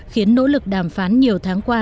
khiến nỗ lực đàm phán nhiều tháng qua